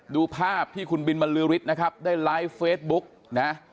ดูภาพที่คุณบินบรรลือฤทธิ์นะครับได้ไลฟ์เฟซบุ๊กนะ